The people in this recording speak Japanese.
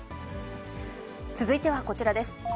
続いてはこちらです。